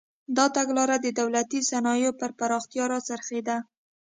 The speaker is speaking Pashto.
دا تګلاره د دولتي صنایعو پر پراختیا راڅرخېده.